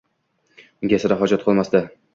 Unga sira hojat qolmasdi.